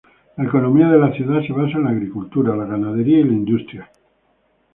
La economía de la ciudad se basa en la agricultura, la ganadería, la industrial.